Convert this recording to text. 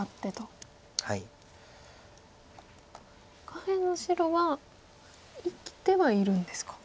下辺の白は生きてはいるんですか。